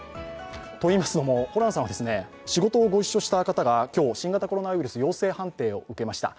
といいますのも、ホランさんは仕事をご一緒した方が今日、新型コロナウイルス陽性判定を受けました。